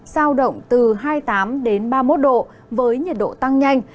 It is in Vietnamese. giao động từ hai mươi tám đến ba mươi một độ với nhiệt độ tăng nhanh